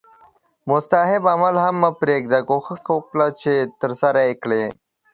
مستحب عمل هم مه پریږده کوښښ وکړه چې ترسره یې کړې